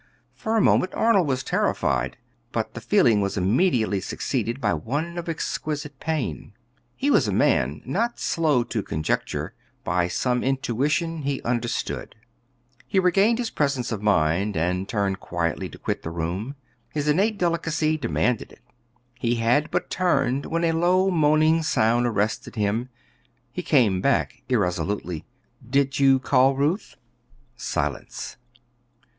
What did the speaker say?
For a moment Arnold was terrified; but the feeling was immediately succeeded by one of exquisite pain. He was a man not slow to conjecture; by some intuition he understood. He regained his presence of mind and turned quietly to quit the room; his innate delicacy demanded it. He had but turned when a low, moaning sound arrested him; he came back irresolutely. "Did you call, Ruth?" Silence.